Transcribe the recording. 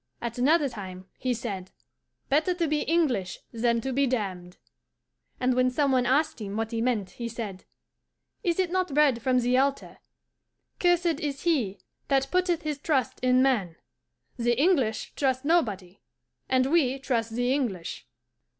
At another time he said, "Better to be English than to be damned." And when some one asked him what he meant, he said, "Is it not read from the altar, 'Cursed is he that putteth his trust in man'? The English trust nobody, and we trust the English."